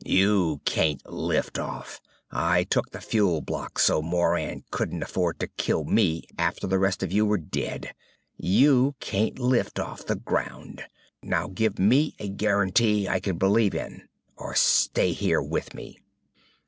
You can't lift off! I took the fuel block so Moran couldn't afford to kill me after the rest of you were dead. You can't lift off the ground! Now give me a guarantee I can believe in or you stay here with me!